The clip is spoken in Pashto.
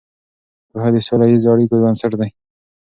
پوهه د سوله ییزو اړیکو بنسټ دی.